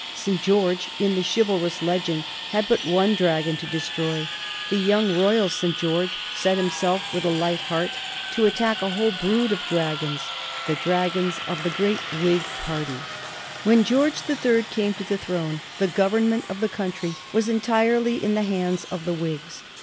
St. George in the chivalrous legend had but one dragon to destroy; the young royal St. George set himself with a light heart to attack a whole brood of dragons the dragons of the great Whig party. When George the Third came to the throne the government of the country was entirely in the hands of the Whigs.